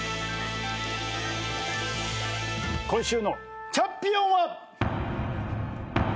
今週のチャンピオンは。